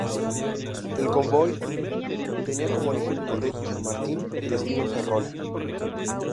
El convoy tenía como origen Madrid-Chamartín y destino Ferrol.